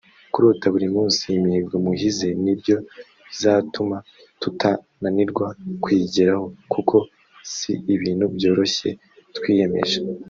kurota buri munsi imihigo muhize ni byo bizatuma tutananirwa kuyigeraho kuko si ibintu byoroshye twiyemeje”